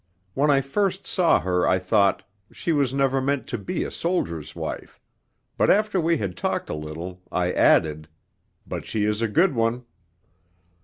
When I first saw her I thought, 'She was never meant to be a soldier's wife,' but after we had talked a little, I added, 'But she is a good one.'